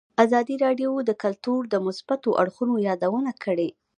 ازادي راډیو د کلتور د مثبتو اړخونو یادونه کړې.